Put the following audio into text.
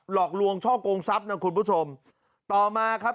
หลอกลวงช่อกงทรัพย์นะคุณผู้ชมต่อมาครับ